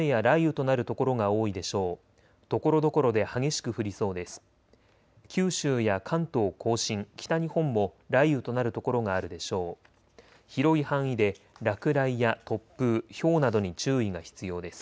ところどころで激しく降りそうです。